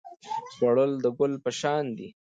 خوړل د ګل پر شان دی